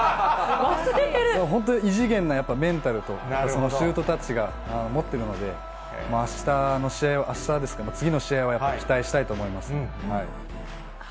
本当に、異次元なやっぱ、メンタルと、シュートタッチが持ってるので、あしたの試合、明日ですか、次の試合はやっぱり期待したいと思います。